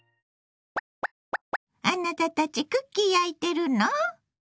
あなたたちクッキー焼いてるの？